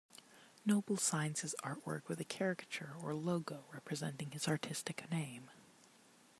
Noble signs his artwork with a caricature or logo representing his artistic name.